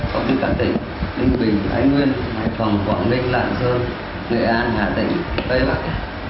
còn như cả tỉnh ninh bình hải nguyên hải phòng quảng ninh lạng sơn nghệ an hà tĩnh tây lạc